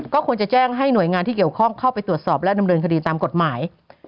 ก็ควรจะแจ้งให้หน่วยงานที่เกี่ยวข้องเข้าไปตรวจสอบและดำเนินคดีตามกฎหมาย